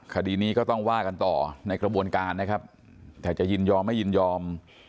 คดีนี้ก็ต้องว่ากันต่อในกระบวนการนะครับแต่จะยินยอมไม่ยินยอม